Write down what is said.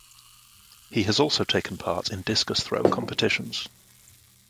He has also taken part in discus throw competitions.